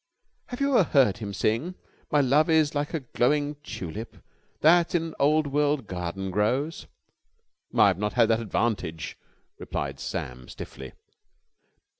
"Have you ever heard him sing 'My love is like a glowing tulip that in an old world garden grows'?" "I have not had that advantage," replied Sam stiffly.